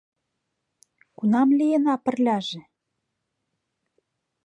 Кунам лийына пырляже?